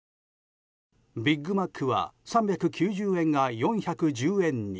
ビッグマックは３９０円から４１０円に。